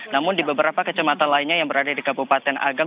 namun di beberapa kecamatan lainnya yang berada di kabupaten agam